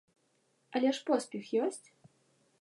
Але ж поспех ёсць?